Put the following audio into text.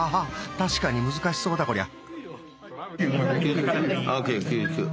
確かに難しそうだこりゃ。